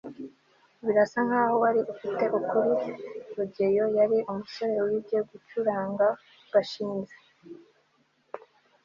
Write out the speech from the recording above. birasa nkaho wari ufite ukuri rugeyo yari umusore wibye gucuranga gashinzi